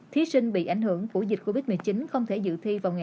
thí sinh bị ảnh hưởng của dịch covid một mươi chín không thể dự thi